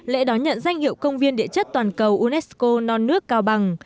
lễ đón nhận danh hiệu công viên địa chất toàn cầu unesco non nước cao bằng